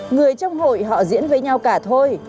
người trong hội họ diễn với nhau cả thôi